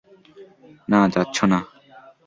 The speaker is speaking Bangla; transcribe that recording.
না, যাচ্ছো না।